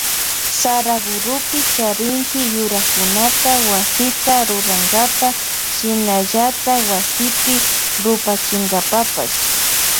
Saraguropi charinchi yurakunata wasita rurankapa shinallata wasipi rupachinkapapash.